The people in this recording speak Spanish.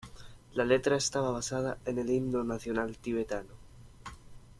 La letra estaba basada en el himno nacional tibetano.